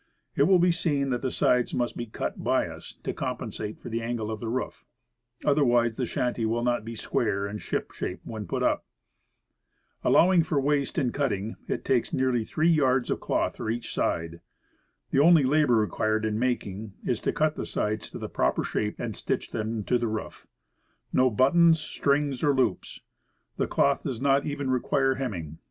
It will be seen that the sides must be "cut bias," to compen sate for the angle of the roof, otherwise the shanty will not be square and ship shape when put up. Allowing for waste in cutting, it takes nearly 3 yards of cloth for each side. The only labor required in making, is to cut the sides to the proper shape, and stitch them to the roof. No buttons, strings or loops. The cloth does not even require hemming.